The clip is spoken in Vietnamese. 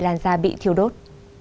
làn da bị thiếu đốt